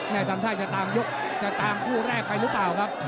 แน่ทรรมช่ายจะตามผู้แรกไปหรือเปล่าครับ